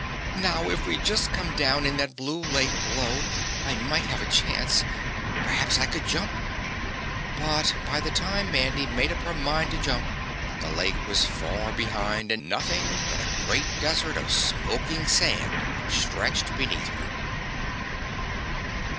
"Now if we'd just come down in that blue lake, below, I might have a chance. Perhaps I should jump?" But by the time Mandy made up her mind to jump the lake was far behind and nothing but a great desert of smoking sand stretched beneath her.